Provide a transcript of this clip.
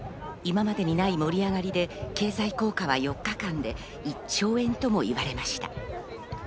今までにない盛り上がりで経済効果は４日間で１兆円とも言われました。